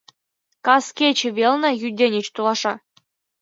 Кас кече велне Юденич толаша.